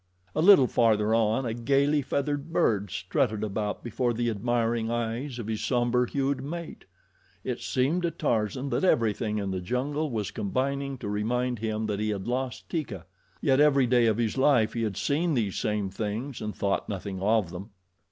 A little farther on, a gaily feathered bird strutted about before the admiring eyes of his somber hued mate. It seemed to Tarzan that everything in the jungle was combining to remind him that he had lost Teeka; yet every day of his life he had seen these same things and thought nothing of them.